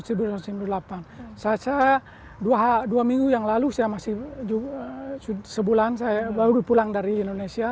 saya dua minggu yang lalu saya masih sebulan saya baru pulang dari indonesia